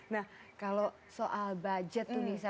nah kalau soal budget tuh misalnya